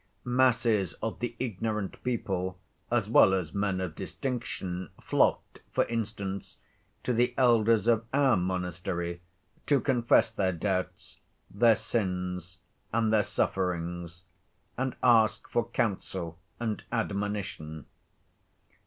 Masses of the ignorant people as well as men of distinction flocked, for instance, to the elders of our monastery to confess their doubts, their sins, and their sufferings, and ask for counsel and admonition.